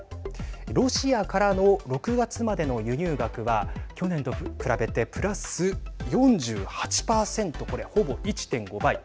ロシアからの６月までの輸入額は去年と比べて、プラス４８％これ、ほぼ１．５倍。